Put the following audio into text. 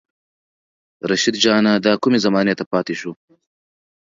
رشيد جانه دا کومې زمانې ته پاتې شو